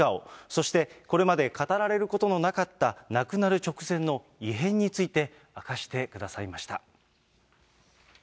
そしてこれまで語られることのなかった、亡くなる直前の異変について、明かしてくださいました。